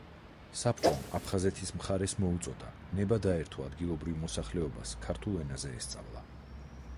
საბჭომ, აფხაზეთის მხარეს მოუწოდა, ნება დაერთო ადგილობრივ მოსახლეობას, ქართულ ენაზე სწავლა.